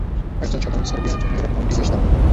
একজন সাধারণ সার্বিয়ানের জন্য এরকম আংটি বেশ দামী!